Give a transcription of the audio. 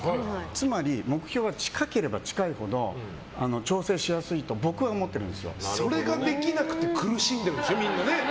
つまり目標は近ければ近いほど調整しやすいとそれができなくて苦しんでるんでしょ？